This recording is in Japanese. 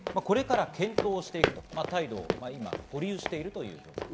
として、これから検討していくと、態度を保留しているという状態。